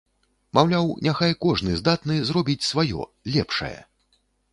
Маўляў, няхай кожны здатны зробіць сваё, лепшае.